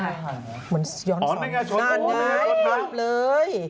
ย้อนสอนทับเลย